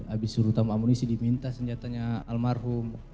abis ditambah amunisi diminta senjatanya almarhum